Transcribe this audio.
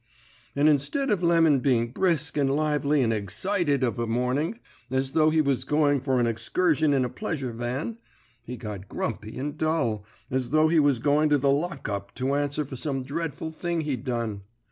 "And instead of Lemon being brisk and lively and egscited of a morning, as though he was going for an excursion in a pleasure van, he got grumpy and dull, as though he was going to the lock up to answer for some dreadful thing he'd done.